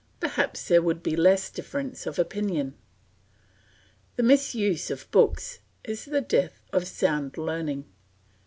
perhaps there would be less difference of opinion. The misuse of books is the death of sound learning.